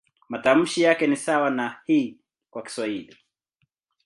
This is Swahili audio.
Matamshi yake ni sawa na "i" kwa Kiswahili.